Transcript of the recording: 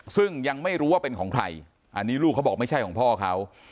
ซึ่งยังไม่รู้ว่าเป็นของใครอันนี้ลูกเขาบอกไม่ใช่ของพ่อเขา